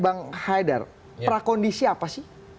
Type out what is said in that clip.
bang haidar prakondisi apa sih